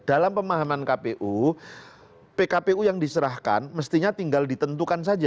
dalam pemahaman kpu pkpu yang diserahkan mestinya tinggal ditentukan saja